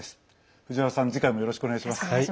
藤原さん、次回もよろしくお願いします。